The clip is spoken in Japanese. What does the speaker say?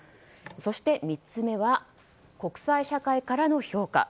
そして３つ目は国際社会からの評価。